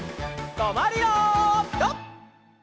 とまるよピタ！